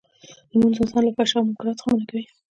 لمونځ انسان له فحشا او منکراتو منعه کوی.